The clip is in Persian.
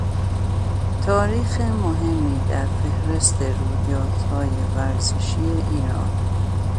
تاریخ مهمی در فهرست رویدادهای ورزشی ایران